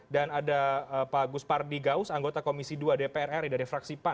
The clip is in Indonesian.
dan ada pak gus pardi gaus anggota komisi ii dpr ri dari fraksi pan